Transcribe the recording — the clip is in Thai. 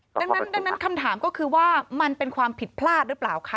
ดังนั้นคำถามก็คือว่ามันเป็นความผิดพลาดหรือเปล่าคะ